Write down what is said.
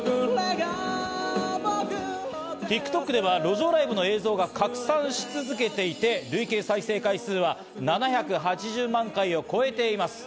ＴｉｋＴｏｋでは路上ライブの映像が拡散し続けていて、累計再生回数は７８０万回を超えています。